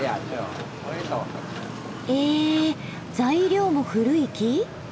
ええ材料も古い木？